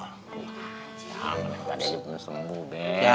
tadi itu penuh serembu bek